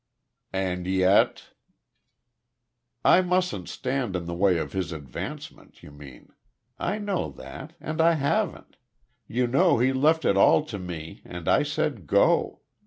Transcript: "And yet " "I mustn't stand in the way of his advancement, you mean. I know that; and I haven't.... You know he left it all to me; and I said, 'Go.'